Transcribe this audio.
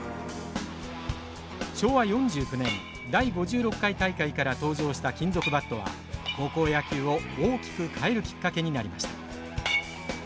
昭和４９年第５６回大会から登場した金属バットは高校野球を大きく変えるきっかけになりました。